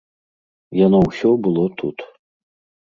Яно ўсё было тут.